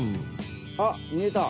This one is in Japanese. あっみえた！